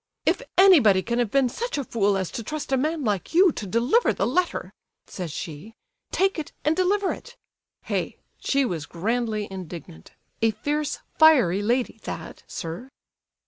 'If anybody can have been such a fool as to trust a man like you to deliver the letter,' says she, 'take it and deliver it!' Hey! she was grandly indignant. A fierce, fiery lady that, sir!"